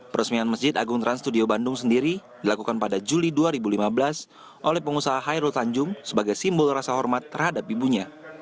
peresmian masjid agung trans studio bandung sendiri dilakukan pada juli dua ribu lima belas oleh pengusaha hairul tanjung sebagai simbol rasa hormat terhadap ibunya